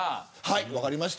分かりました。